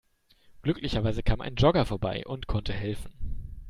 Glücklicherweise kam ein Jogger vorbei und konnte helfen.